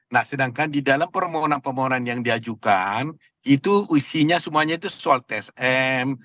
nah sedangkan di dalam permohonan permohonan yang diajukan itu isinya semuanya itu soal tsm